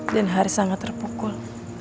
dan hari sangat terpukul